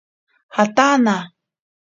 Jataana.